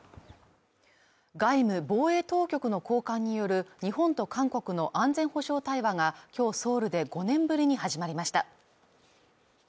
外務・防衛当局の高官による日本と韓国の安全保障対話が今日ソウルで５年ぶりに始まりました